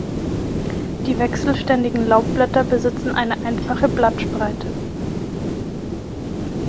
Die wechselständigen Laubblätter besitzen eine einfache Blattspreite.